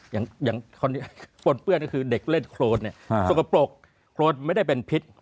อย่างคนนี้ปนเปื้อนก็คือเด็กเล่นโครสสกปรกโครสไม่ได้เป็นภิกษ์